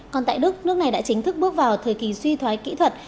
còn tại đức nước này đã chính thức bước vào thời kỳ suy thoái kỹ thuật